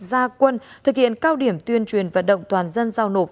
ra quân thực hiện cao điểm tuyên truyền vật động toàn dân giao nộp